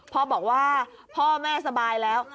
พ่อบอกว่าพ่อแม่สบายแล้ว